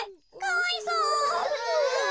かわいそう。